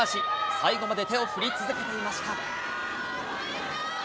最後まで手を振り続けていました。